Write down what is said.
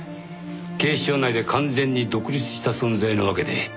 警視庁内で完全に独立した存在なわけで。